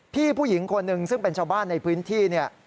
ผู้หญิงคนหนึ่งซึ่งเป็นชาวบ้านในพื้นที่เนี่ย